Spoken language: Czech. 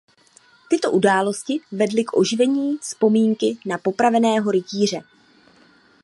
Tyto události vedly k oživení vzpomínky na popraveného rytíře.